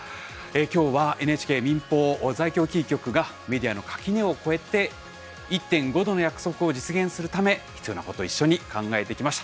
今日はＮＨＫ民放在京キー局がメディアの垣根を越えて「１．５℃の約束」を実現するため必要なことを一緒に考えてきました。